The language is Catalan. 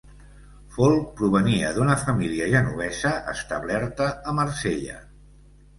Folc provenia d'una família genovesa establerta a Marsella.